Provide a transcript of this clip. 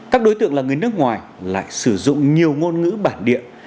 các đối tượng là người nước ngoài lại sử dụng nhiều ngôn ngữ bản địa